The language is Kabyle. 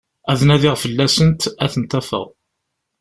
Ad nadiɣ fell-asent, ad tent-afeɣ.